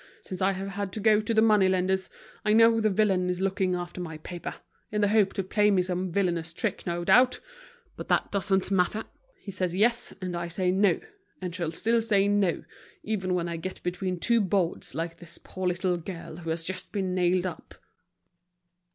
Since I have had to go to the money lenders, I know the villain is looking after my paper, in the hope to play me some villainous trick, no doubt. But that doesn't matter. He says "yes," and I say "no," and shall still say "no," even when I get between two boards like this poor little girl who has just been nailed up."